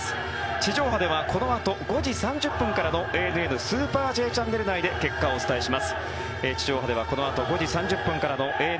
地上波ではこのあと５時３０分からの「ＡＮＮスーパーＪチャンネル」内で結果をお伝えします。